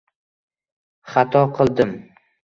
— Xato qildim.